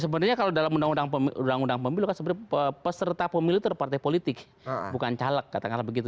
sebenarnya kalau dalam undang undang pemilu kan sebenarnya peserta pemilu terpartai politik bukan caleg katakanlah begitu